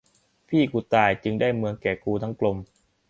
พี่กูตายจึงได้เมืองแก่กูทั้งกลม